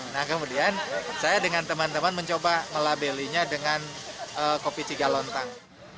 nah kemudian saya dengan teman teman mencoba melabelinya dengan kopi cigalontang